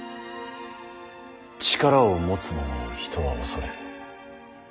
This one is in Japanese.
力を持つ者を人は恐れる。